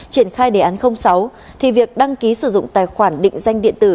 triển khai đề án sáu thì việc đăng ký sử dụng tài khoản định danh điện tử